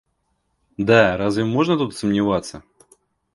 Да, разве можно тут сомневаться?